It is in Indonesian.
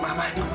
mama jangan ma